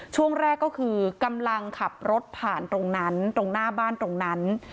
ช่วงแรกก็คือกำลังขับรถผ่านตรงนั้นตรงหน้าบ้านตรงนั้น